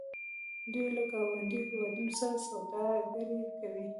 دوی له ګاونډیو هیوادونو سره سوداګري کوي.